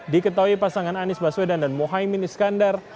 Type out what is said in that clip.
diketahui pasangan anies baswedan dan mohaimin iskandar